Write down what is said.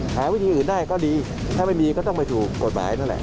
หาวิธีอื่นได้ก็ดีถ้าไม่มีก็ต้องไปถูกกฎหมายนั่นแหละ